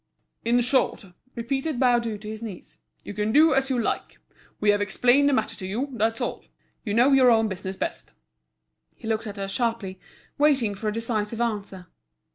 "In short," repeated Baudu to his niece, "you can do as you like. We have explained the matter to you, that's all. You know your own business best." He looked at her sharply, waiting for a decisive answer.